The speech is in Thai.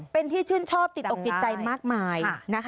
เป็นที่ชื่นชอบติดอกติดใจมากมาย